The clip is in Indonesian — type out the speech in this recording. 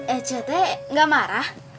eh cete gak marah